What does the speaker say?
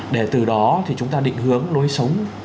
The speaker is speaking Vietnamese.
để từ đó thì chúng ta định hướng lối sống